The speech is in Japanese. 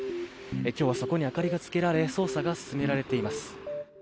きょうはそこに明かりがつけられ、捜査が進められています。